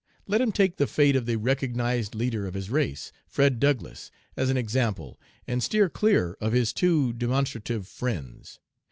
Let him take the fate of the recognized leader of his race, Fred Douglass, as an example, and steer clear of his too demonstrative friends.